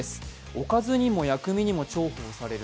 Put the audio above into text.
おかずにも薬味にも重宝される